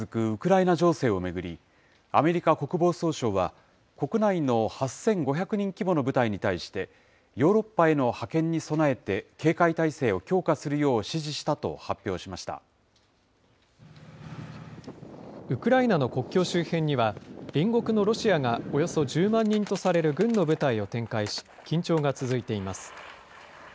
ウクライナ情勢を巡り、アメリカ国防総省は、国内の８５００人規模の部隊に対して、ヨーロッパへの派遣に備えて警戒態勢を強化するよう指示したと発ウクライナの国境周辺には、隣国のロシアがおよそ１０万人とされる軍の部隊を展開し、緊張が続いています。